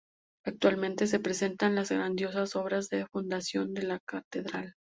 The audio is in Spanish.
Actualmente, se presentan las grandiosas obras de fundación de la catedral.